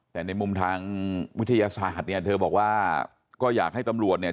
แต่ในมุมทางวิทยาศาสตร์เนี่ยเธอบอกว่าก็อยากให้ตำรวจเนี่ย